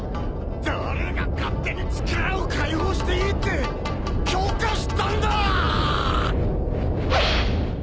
誰が勝手に力を解放していいって許可したんだ！